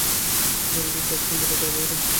জলদি কাজ সম্পন্ন কর, ভাইয়েরা।